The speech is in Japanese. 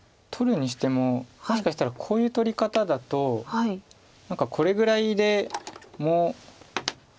取るにしてももしかしたらこういう取り方だと何かこれぐらいでも。